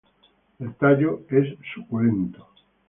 El tallo es suculento.